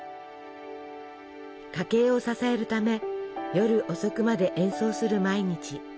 家計を支えるため夜遅くまで演奏する毎日。